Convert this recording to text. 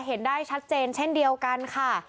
เห็นได้ชัดเจนเช่นเดียวกันค่ะ